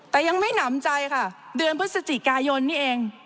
แต่ยังไม่หนำใจค่ะเดือนพฤศจิกายนนี่เอง